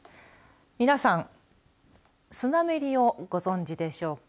皆さん、スナメリをご存じでしょうか。